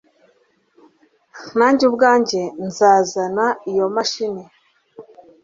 Nanjye ubwanjye nzasana iyo mashini